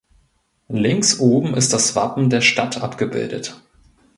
Links oben ist das Wappen der Stadt abgebildet.